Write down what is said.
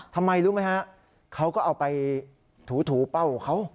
ทำไมรู้ไหมฮะเขาก็เอาไปถูเป้าของเขา